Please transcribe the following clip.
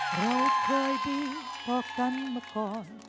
เราเคยดีพอกันมาก่อน